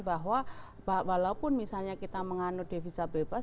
bahwa walaupun misalnya kita menganut devisa bebas